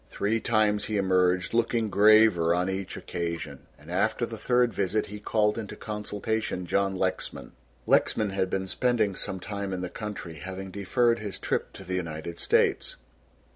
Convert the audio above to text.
Three times he emerged looking graver on each occasion, and after the third visit he called into consultation John Lexman. Lexman had been spending some time in the country, having deferred his trip to the United States.